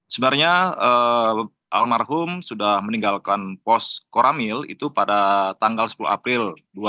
sebenarnya almarhum sudah meninggalkan pos koramil itu pada tanggal sepuluh april